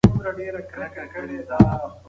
وراره يې له ده څخه پوښتنه کوي.